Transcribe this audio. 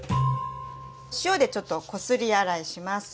塩でちょっとこすり洗いします。